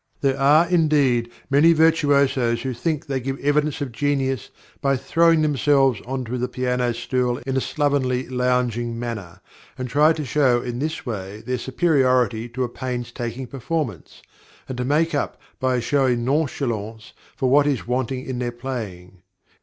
There are, indeed, many virtuosos who think they give evidence of genius, by throwing themselves on to the music stool in a slovenly, lounging manner, and try to show in this way their superiority to a painstaking performance, and to make up by a showy nonchalance for what is wanting in their playing.